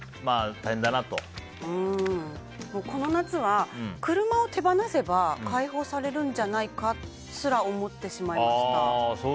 この夏は、車を手放せば解放されるんじゃないかとすら思ってしまいました。